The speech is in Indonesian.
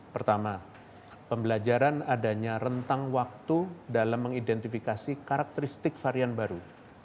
pertama pembelajaran adanya rentang waktu dalam mengidentifikasi karakteristik varian baru